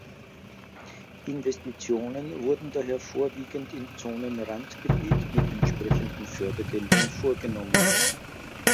Investitionen wurden daher vorwiegend im Zonenrandgebiet mit entsprechenden Fördergeldern vorgenommen.